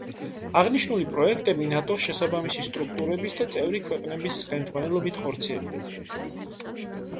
აღნიშნული პროექტები ნატოს შესაბამისი სტრუქტურების და წევრი ქვეყნების ხელმძღვანელობით ხორციელდება.